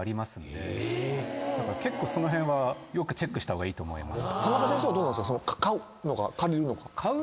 結構その辺はよくチェックした方がいいと思います。